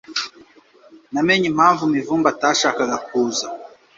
Namenye impamvu Mivumbi atashakaga kuza